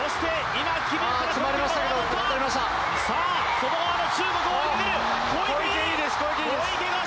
外側の中国を追いかける！